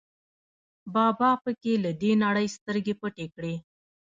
بابا په کې له دې نړۍ سترګې پټې کړې.